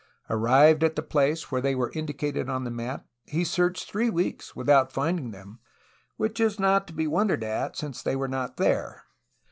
Arrived at the place where they were indicated on the map, he searched three weeks without finding them, which is not to be won dered at, since they were not there.